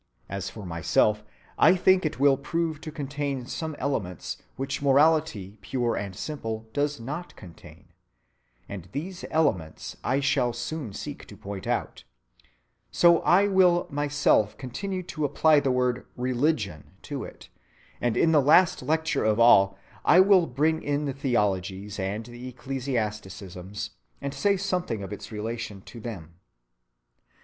As for myself, I think it will prove to contain some elements which morality pure and simple does not contain, and these elements I shall soon seek to point out; so I will myself continue to apply the word "religion" to it; and in the last lecture of all, I will bring in the theologies and the ecclesiasticisms, and say something of its relation to them.